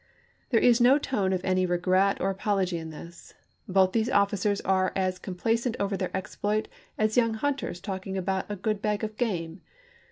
There is no tone of any regret or apology in this — both these officers are as complacent over their exploit as young hunt ers talking about a good bag of game.